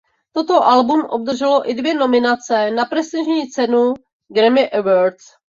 Toto album obdrželo i dvě nominace na prestižní cenu "Grammy Awards".